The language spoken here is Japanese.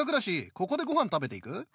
ここでごはん食べていく？